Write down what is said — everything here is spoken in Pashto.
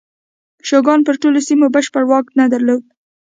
شوګان پر ټولو سیمو بشپړ واک نه درلود.